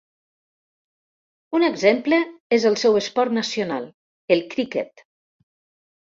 Un exemple és el seu esport nacional, el criquet.